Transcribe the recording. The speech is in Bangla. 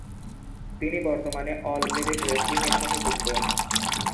তিনি বর্তমানে অল এলিট রেসলিং-এর সাথে যুক্ত।